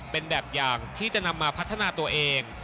เป็นแบบแบบที่จะมาพัฒนาตัวเอง